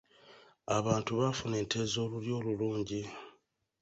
Abantu baafuna ente ez'olulyo olulungi.